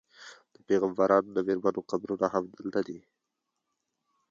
د پیغمبرانو د میرمنو قبرونه هم دلته دي.